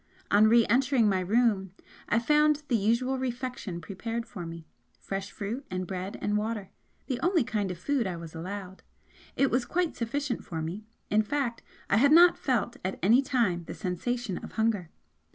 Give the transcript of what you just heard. On re entering my room I found the usual refection prepared for me fresh fruit and bread and water the only kind of food I was allowed. It was quite sufficient for me, in fact I had not felt at any time the sensation of hunger.